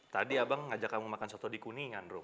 tadi abang ngajak kamu makan soto di kuningan dong